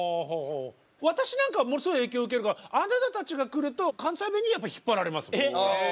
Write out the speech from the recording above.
私なんかものすごい影響受けるからあなたたちが来ると関西弁にやっぱり引っ張られます。